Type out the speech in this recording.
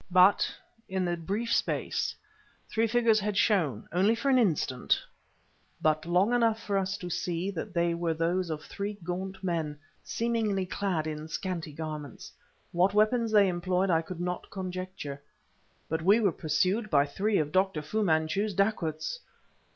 But, in the brief space, three figures had shown, only for an instant but long enough for us both to see that they were those of three gaunt men, seemingly clad in scanty garments. What weapons they employed I could not conjecture; but we were pursued by three of Dr. Fu Manchu's dacoits!